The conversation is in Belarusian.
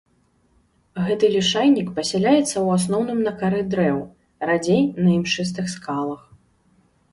Гэты лішайнік пасяляецца ў асноўным на кары дрэў, радзей на імшыстых скалах.